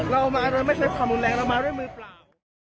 เรามาโดยไม่ใช้ความรุนแรงเรามาด้วยมือเปล่า